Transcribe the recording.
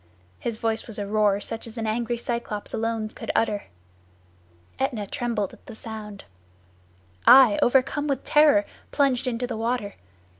His voice was a roar such as an angry Cyclops alone could utter. Aetna trembled at the sound. I, overcome with terror, plunged into the water.